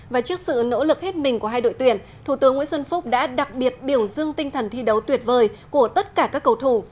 và trước sự nỗ lực hết mình của hai đội tuyển thủ tướng nguyễn xuân phúc đã đặc biệt biểu dương tinh thần thi đấu tuyệt vời của tất cả các cầu thủ